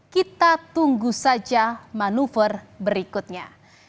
kita tunggu saja manuver berikutnya